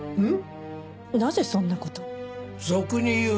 うん。